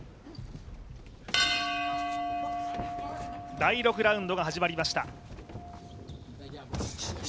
第６ラウンドが始まりました。